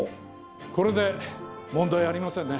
これで問題ありませんね？